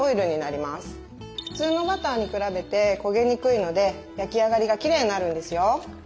普通のバターに比べて焦げにくいので焼き上がりがきれいになるんですよ。